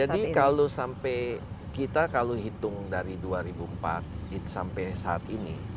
jadi kalau sampai kita kalau hitung dari dua ribu empat sampai saat ini